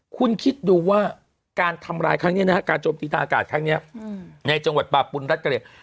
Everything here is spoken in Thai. คุณคิดดูว่าการทำร้ายครั้งนี้นะฮะการโจมตีทางอากาศครั้งนี้ในจังหวัดป่าปุณรัฐกะเหลี่ย